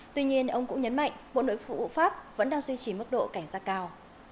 tuy nhiên ông cũng nhấn mạnh bộ nội vũ pháp vẫn đang duy trì mức độ cảnh sát cao